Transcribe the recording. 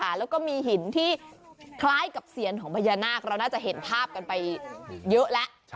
แล้วก็มีหินที่คล้ายกับเซียนของพญานาคเราน่าจะเห็นภาพกันไปเยอะแล้ว